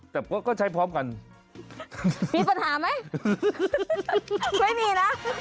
แต่ก็ใช้พร้อมกันมีปัญหาไหมไม่มีนะ